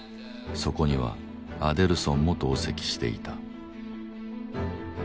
そこにはアデルソンも同席していた。